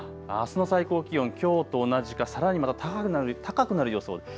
あすの最高気温、きょうと同じかさらにまた高くなる予想です。